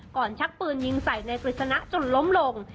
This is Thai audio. ก่อนชักปืนยิงใส่นายกฤษณะจนล้มลง